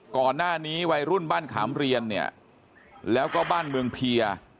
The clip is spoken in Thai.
ก่อนหน้านี้วัยรุ่นบ้านขามเรียนเนี่ยแล้วก็บ้านเมืองเพีย